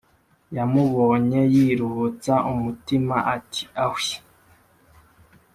yamubonye yiruhutsa umutima ati ahwii